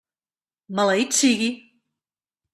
Maleït sigui!